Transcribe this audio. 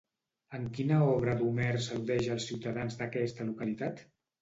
En quina obra d'Homer s'al·ludeix als ciutadans d'aquesta localitat?